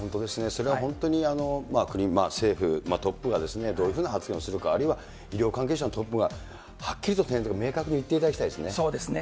それは本当に国、政府、トップがどういうふうな発言をするか、あるいは医療関係のトップがはっきりと明確に言っていただきたいですね。